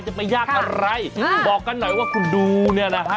จะไปยากอะไรบอกกันหน่อยว่าคุณดูเนี่ยนะฮะ